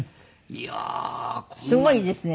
すごいですね。